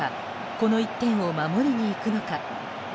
この１点を守りにいくのか。